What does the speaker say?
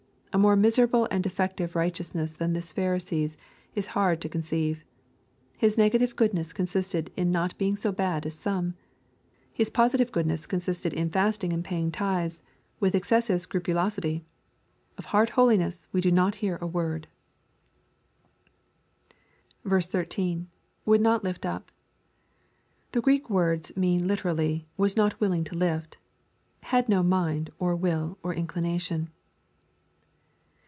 A more miserable and defective righteousness than this Phari see's, it is hard to condeive. His negative goodness consisted in not being so bad as some 1 His positive goodness consisted in fast ing and paying tithes with excessive scrupulosity I Of heart holiness, we do not hear a word 1 13. — [Would not lift up.] The Greek words mean literally, "was not willing to lift,*' — had no mind, or will, or inclination.